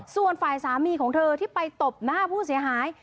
ส่วนฝ่ายสามีของเธอที่ไปตบหน้าผู้เสียหาย